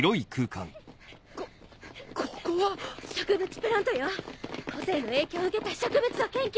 こここは⁉植物プラントよ個性の影響を受けた植物を研究。